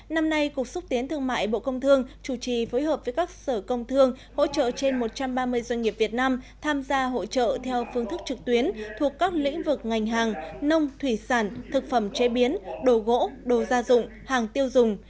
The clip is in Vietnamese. năm nay cục xúc tiến thương mại bộ công thương chủ trì phối hợp với các sở công thương hỗ trợ trên một trăm ba mươi doanh nghiệp việt nam tham gia hội trợ theo phương thức trực tuyến thuộc các lĩnh vực ngành hàng nông thủy sản thực phẩm chế biến đồ gỗ đồ gia dụng hàng tiêu dùng